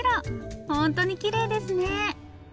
ホントにきれいですね。